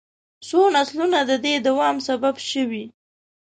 څو نسلونه د دې دوام سبب شوي.